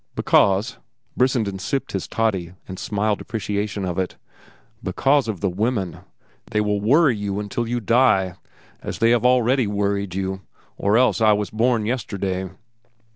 "Because—" Brissenden sipped his toddy and smiled appreciation of it. "Because of the women. They will worry you until you die, as they have already worried you, or else I was born yesterday.